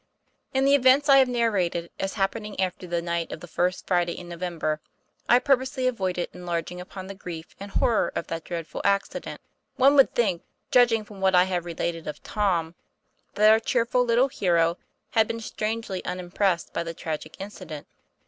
IN the events I have narrated as happening after the night of the first Friday in November, I have purposely avoided enlarging upon the grief and horror of that dreadful accident. One would think, judging from what I have related of Tom, that our cheerful little hero had been strangely unimpressed by the tragic incident.